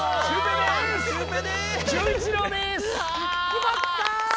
きまった！